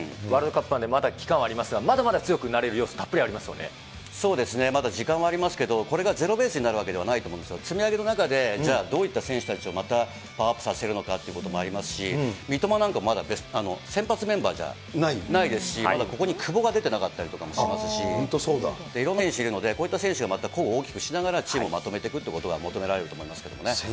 ワールドカップはまだ期間はありますが、まだまだ強くなれるそうですね、まだ時間はありますけど、これがゼロベースになるわけではないと思うんですよ、積み上げの中で、じゃあ、どういった選手たちを、またパワーアップさせるのかということもありますし、三笘なんかもまだ、先発メンバーじゃないですし、まだここに久保が出てなかったりとかもしますし、いろんな選手がいますので、こういった選手をまた個を大きくしながら、チームをまとめていくっていうことが求められると思いますけどね。